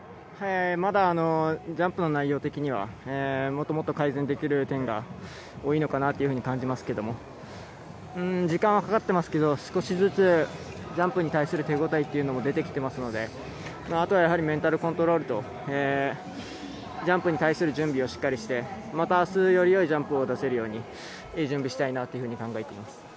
まだジャンプの内容的にはもっともっと改善できる点が多いのかなと感じますけれども、時間はかかってますけど少しずつジャンプに対する手応えも出てきていますので、あとはメンタルコントロールと、ジャンプに対する準備をしっかりして、また明日よりよいジャンプを出せるようにいい準備したいなと考えています。